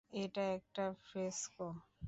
এটা একটা ফ্রেস্কো।